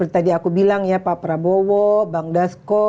tadi aku bilang ya pak prabowo bang dasko